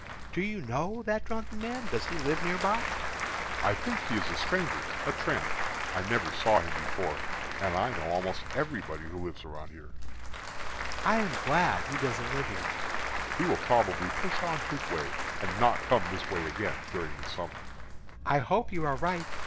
"Do you know that drunken man? Does he live nearby?" "I think he is a stranger a tramp. I never saw him before, and I know almost everybody who lives about here." "I am glad he doesn't live here." "He will probably push on his way and not come this way again during the summer." "I hope you are right.